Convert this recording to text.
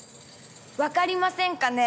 分かりませんかね？